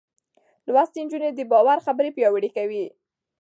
لوستې نجونې د باور خبرې پياوړې کوي.